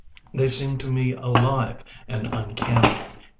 They seem to me alive and uncanny.